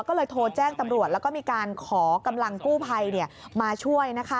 ก็เลยโทรแจ้งตำรวจแล้วก็มีการขอกำลังกู้ภัยมาช่วยนะคะ